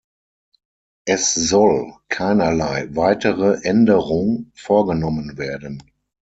Es soll keinerlei weitere Änderung vorgenommen werden.